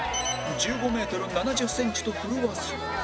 １５メートル７０センチと振るわず